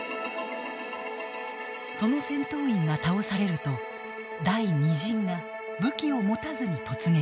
その戦闘員が倒されると第２陣が武器を持たずに突撃。